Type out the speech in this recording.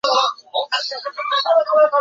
这条铁路被称为或。